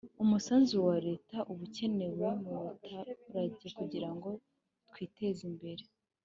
Umusanzu wa Leta uba ukenewe mubaturage kugirango twiteze imbere